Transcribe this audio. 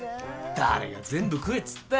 誰が全部食えっつったよ。